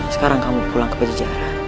sekarang kamu pulang ke penjara